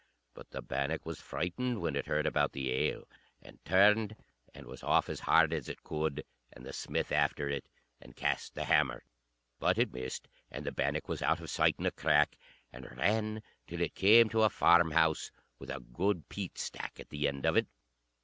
But the bannock was frightened when it heard about the ale, and turned and was off as hard as it could, and the smith after it, and cast the hammer. But it missed, and the bannock was out of sight in a crack, and ran till it came to a farmhouse with a good peat stack at the end of it.